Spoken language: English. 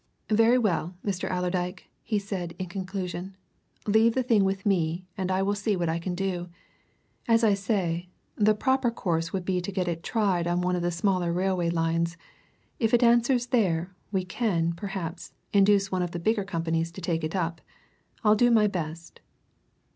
"Very well, Mr. Allerdyke," he said, in conclusion. "Leave the thing with me, and I will see what I can do. As I say, the proper course will be to get it tried on one of the smaller railway lines if it answers there, we can, perhaps, induce one of the bigger companies to take it up. I'll do my best."